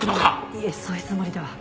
いえそういうつもりでは。